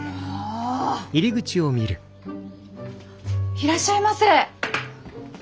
いらっしゃいませ！